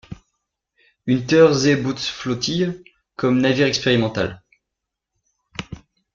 Unterseebootsflottille comme navire expérimental.